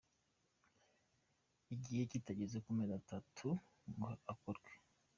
igihe kitageze ku mezi atatu ngo akorwe !